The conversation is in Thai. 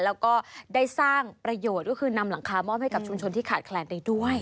แล้วก็ได้สร้างประโยชน์ก็คือนำหลังคามอบให้กับชุมชนที่ขาดแคลนได้ด้วย